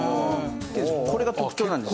これが特徴なんです。